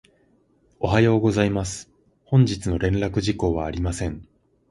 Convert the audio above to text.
おはようございます。本日の連絡事項はありません。